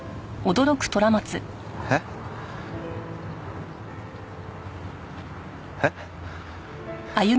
えっ？えっ？